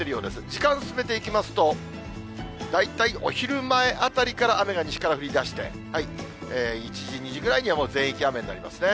時間進めていきますと、大体お昼前ぐらいあたりから雨が西から降りだして、１時、２時ぐらいにはもう全域雨になりますね。